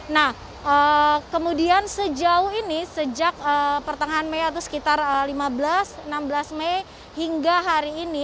nah kemudian sejauh ini sejak pertengahan mei atau sekitar lima belas enam belas mei hingga hari ini